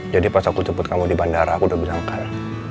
jadi pas aku jemput kamu di bandara aku udah bilang kan